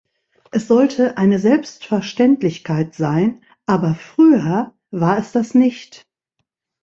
Es sollte eine Selbstverständlichkeit sein, aber früher war es das nicht.